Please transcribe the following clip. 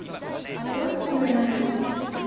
いやここにはいないけど。